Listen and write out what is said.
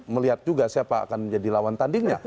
melihat juga siapa akan menjadi lawan tandingnya